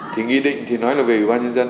thì nghị định thì nói là về ủy ban nhân dân